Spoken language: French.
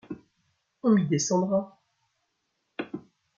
On m’y descendra !